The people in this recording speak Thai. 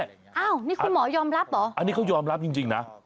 อ้าวนี่คุณหมอยอมรับเหรออันนี้เขายอมรับจริงนะ